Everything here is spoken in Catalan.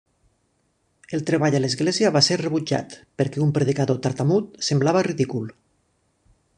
El treball a l'església va ser rebutjat, perquè un predicador tartamut semblava ridícul.